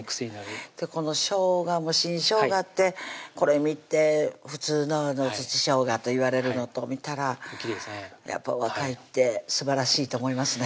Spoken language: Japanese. このしょうがも新しょうがってこれ見て普通の土しょうがといわれるのと見たらやっぱり若いってすばらしいと思いますね